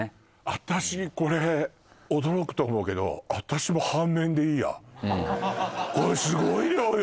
私これ驚くと思うけど私も半麺でいいやこれすごい量よ